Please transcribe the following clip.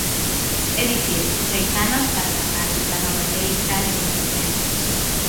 É dicir, seis anos para sacar esta nova lei tal e como vén.